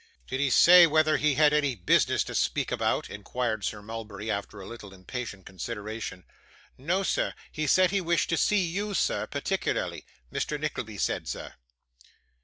'Did he say whether he had any business to speak about?' inquired Sir Mulberry, after a little impatient consideration. 'No, sir. He said he wished to see you, sir. Particularly, Mr. Nickleby said, sir.